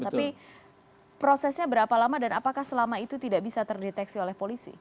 tapi prosesnya berapa lama dan apakah selama itu tidak bisa terdeteksi oleh polisi